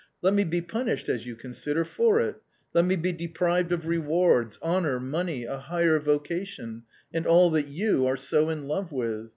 Let me be punished, as you consider, for it, let me be deprived of rewards, honour, money, a higher vocation — and all that you are so in love with.